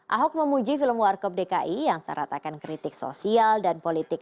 ahok memuji film warkop dki yang seratakan kritik sosial dan politik